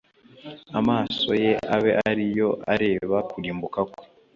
amaso ye abe ari yo areba kurimbuka kwe